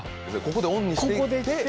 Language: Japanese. ここでオンにして行って。